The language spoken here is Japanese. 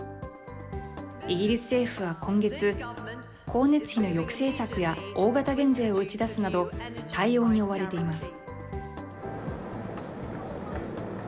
イギリス政府は今月、光熱費の抑制策や大型減税を打ち出すなど、対応に追われています。